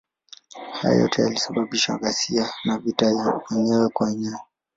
Hayo yote yalisababisha ghasia na vita ya wenyewe kwa wenyewe.